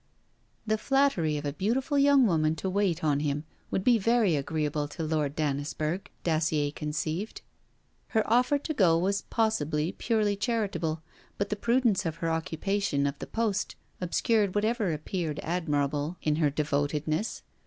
The flattery of a beautiful young woman to wait on him would be very agreeable to Lord Dannisburgh, Dacier conceived. Her offer to go was possibly purely charitable. But the prudence of her occupation of the post obscured whatever appeared admirable in her devotedness.